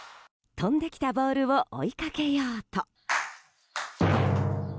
飛んできたボールを追いかけようと。